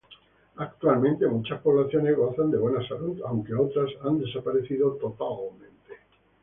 Actualmente muchas poblaciones gozan de buena salud, aunque otras han desaparecido totalmente.